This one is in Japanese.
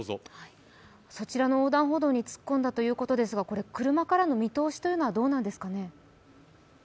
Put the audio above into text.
そちらの横断歩道に突っ込んだということですが、車からの見通しというのは、どうなんですかね？